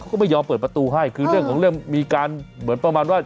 ก็ไม่ยอมเปิดประตูให้คือเรื่องของเรื่องมีการเหมือนประมาณว่า